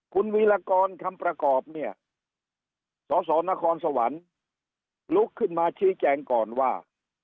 คุณวีรากรคำประกอบเนี่ยสสนครสวรรค์ลุกขึ้นมาชี้แจงก่อนว่า